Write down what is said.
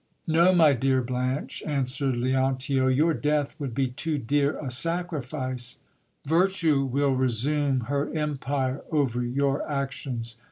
No, my dear Blanche, answered Leontio, your death would be too dear a sacrifice : Virtue will resume her empire over your actions.